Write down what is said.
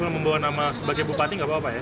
membawa nama sebagai bupati nggak apa apa ya